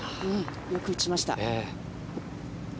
よく打ちました。